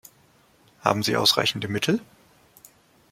Haben Sie ausreichende Mittel?